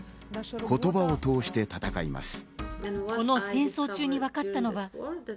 言葉を通して戦います。